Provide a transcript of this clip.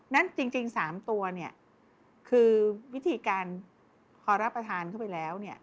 นั่นจริง๓ตัวคือวิธีการพอรับประทานเข้าไปแล้ว